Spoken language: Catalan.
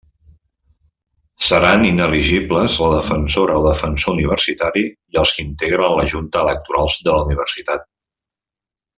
Seran inelegibles la defensora o defensor universitari i els qui integren la Junta Electoral de la Universitat.